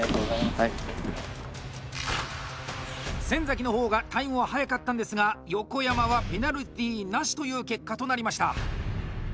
先崎の方がタイムは早かったんですが横山はペナルティーなしという結果となりました。